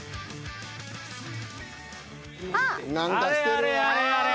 あれあれあれあれ？